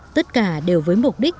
tất cả đều với mục đích